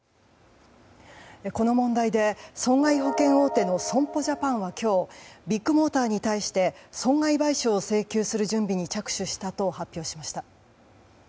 この問題で損害保険大手の損保ジャパンは今日、ビッグモーターに対して損害賠償を請求する準備に着手したと発表しました。